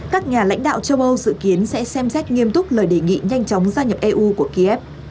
các nhà lãnh đạo châu âu dự kiến sẽ xem xét nghiêm túc lời đề nghị nhanh chóng gia nhập eu của kiev